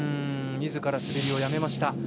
みずから滑りをやめました。